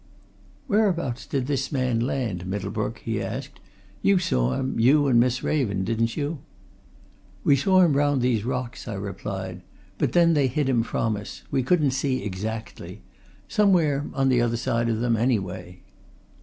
"Whereabouts did this man land, Middlebrook?" he asked. "You saw him, you and Miss Raven, didn't you?" "We saw him round these rocks," I replied. "But then they hid him from us we couldn't see exactly. Somewhere on the other side of them, anyway."